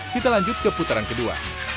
kita lanjut ke putaran kedua